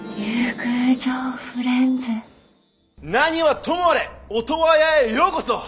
何はともあれオトワヤへようこそ！